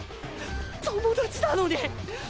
友達なのに。